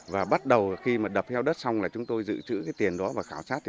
và bắt đầu khi đập heo đất xong chúng tôi giữ trữ tiền đó và khảo sát